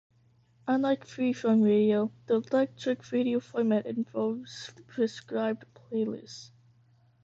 Unlike freeform radio, the eclectic radio format involves prescribed playlists.